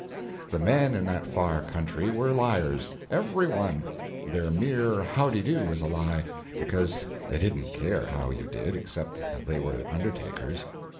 The men in that far country were liars; every one. Their mere howdy do was a lie, because they didn't care how you did, except they were undertakers.